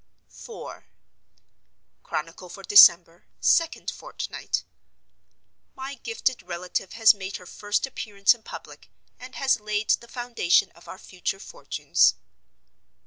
IV. Chronicle for December. Second Fortnight. My gifted relative has made her first appearance in public, and has laid the foundation of our future fortunes.